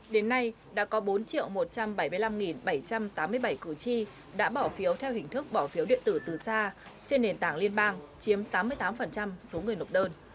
đến nay đã có bốn một trăm bảy mươi năm bảy trăm tám mươi bảy cử tri đã bỏ phiếu theo hình thức bỏ phiếu điện tử từ xa trên nền tảng liên bang chiếm tám mươi tám số người nộp đơn